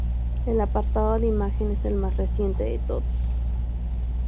El apartado de imagen es el más reciente de todos.